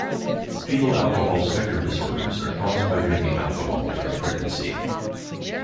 Fetal alcohol spectrum disorders are caused by drinking alcohol during pregnancy.